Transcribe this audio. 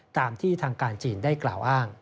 ตามที่ทางการจีนได้กล่าวอ้าง